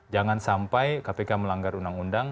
jangan sampai kpk melanggar undang undang